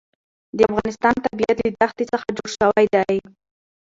د افغانستان طبیعت له دښتې څخه جوړ شوی دی.